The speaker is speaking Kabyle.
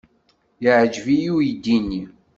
Yeɛjeb-iyi uydi-nni.